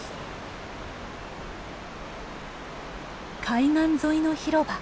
海岸沿いの広場。